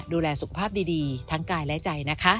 ดูแลสุขภาพดีทั้งกายและใจนะคะ